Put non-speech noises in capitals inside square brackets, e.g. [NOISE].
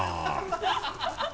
ハハハ [LAUGHS]